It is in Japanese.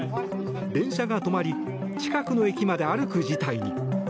電車が止まり近くの駅まで歩く事態に。